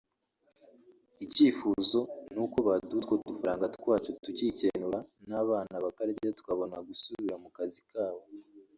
Icyifuzo ni uko baduha utwo dufaranga twacu tukikenura n’abana bakarya tukabona gusubira mu kazi kabo”